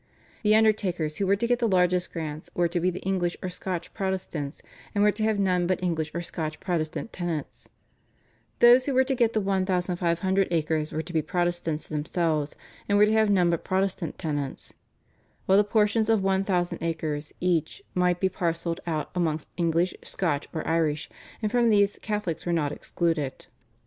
The Undertakers who were to get the largest grants were to be English or Scotch Protestants and were to have none but English or Scotch Protestant tenants, those who were to get the one thousand five hundred acres were to be Protestants themselves and were to have none but Protestant tenants, while the portions of one thousand acres each might be parcelled out amongst English, Scotch, or Irish, and from these Catholics were not excluded.